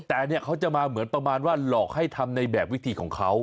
แต่เนี่ยเขาจะมาเหมือนประมาณว่าหลอกให้ทำในแบบวิธีของเขา